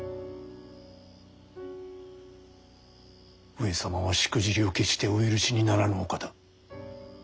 上様はしくじりを決してお許しにならぬお方。